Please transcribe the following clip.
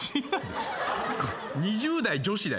２０代女子だよ。